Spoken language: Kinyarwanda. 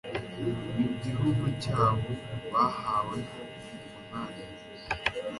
mu gihugu cyabo bahaweho umunani